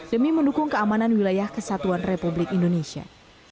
demi mendukung keamanan wilayah kesatuan republik indonesia